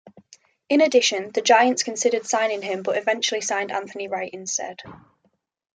In addition, the Giants considered signing him but eventually signed Anthony Wright instead.